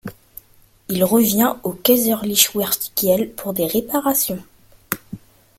Il revient au Kaiserliche Werft Kiel pour des réparations.